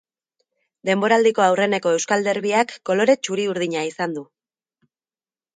Denboraldiko aurreneko euskal derbiak kolore txuri-urdina izan du.